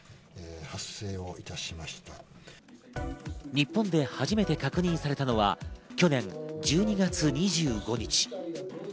日本で初めて確認されたのは、去年１２月２５日。